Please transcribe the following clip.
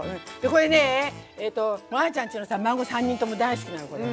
これねぇあちゃんちのさ孫３人とも大好きなのこれ。